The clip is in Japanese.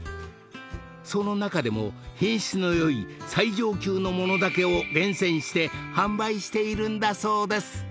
［その中でも品質の良い最上級の物だけを厳選して販売しているんだそうです］